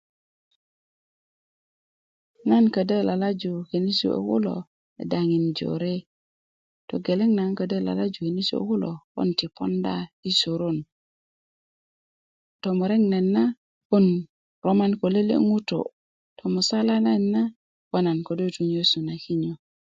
nan kodo lalaju konisi kuwe kulo daŋin jore togeleŋ na 'n kodo lalaju konisi ko nan ti ponda i soron tomurek nayit na kon roman ko lele ŋutu tomusala nayit na ko nan kodo tu nyesu na kinyo